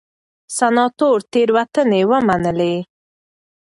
سناتور تېروتنې ومنلې.